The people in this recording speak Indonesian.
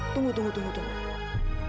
tunggu tunggu tunggu apa ini yang edo maksud